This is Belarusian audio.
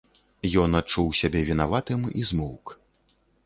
Ён адчуў сябе вінаватым і змоўк.